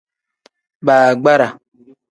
Baagbara.